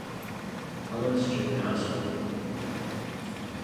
Clements Junior High School.